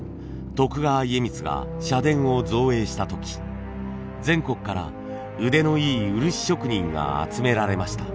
徳川家光が社殿を造営した時全国から腕のいい漆職人が集められました。